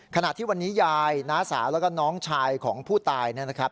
ขณะที่วันนี้ยายน้าสาวแล้วก็น้องชายของผู้ตายนะครับ